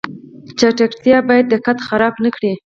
چټکتیا باید دقت خراب نکړي